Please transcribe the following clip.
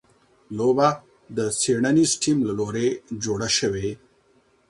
لوبه د څېړنیز ټیم له لوري جوړه شوې.